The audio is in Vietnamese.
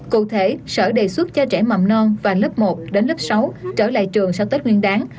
cụ thể sở đề xuất cho trẻ mầm non và lớp một đến lớp sáu trở lại trường sau tết nguyên đáng